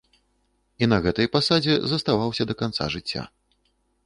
І на гэтай пасадзе заставаўся да канца жыцця.